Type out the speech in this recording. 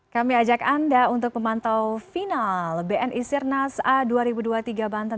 kami ajak anda untuk memantau final bni sirnas a dua ribu dua puluh tiga banten